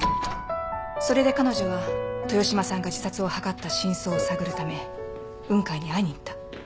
それで彼女は豊島さんが自殺を図った真相を探るため雲海に会いに行った。